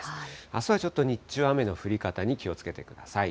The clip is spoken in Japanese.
あすはちょっと日中は雨の降り方に気をつけてください。